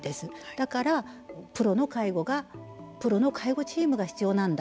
だからプロの介護チームが必要なんだ。